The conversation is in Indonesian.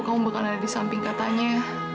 kamu bakal ada di samping katanya